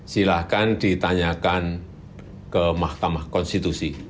silahkan ditanyakan ke mahkamah konstitusi